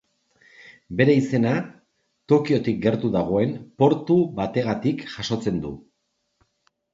Bere izena Tokiotik gertu dagoen portu bategatik jasotzen du.